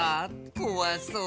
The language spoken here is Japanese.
こわそう。